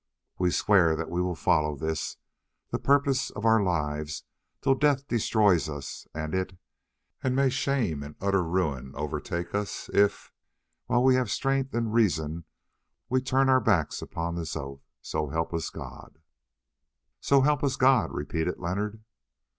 We swear that we will follow this, the purpose of our lives, till death destroys us and it; and may shame and utter ruin overtake us if, while we have strength and reason, we turn our backs upon this oath! So help us God!" "So help us God!" repeated Leonard.